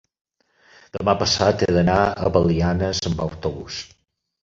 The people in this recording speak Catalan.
demà passat he d'anar a Belianes amb autobús.